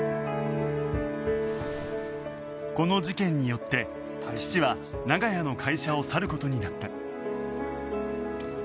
この事件によって父は長屋の会社を去る事になった